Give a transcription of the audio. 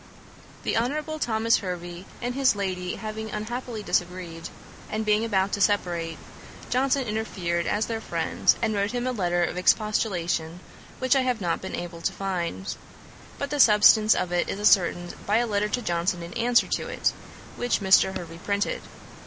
The Honourable Thomas Hervey and his lady having unhappily disagreed, and being about to separate, Johnson interfered as their friend, and wrote him a letter of expostulation, which I have not been able to find; but the substance of it is ascertained by a letter to Johnson in answer to it, which Mr. Hervey printed.